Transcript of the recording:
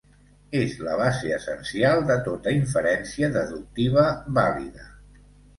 És la base essencial de tota inferència deductiva vàlida.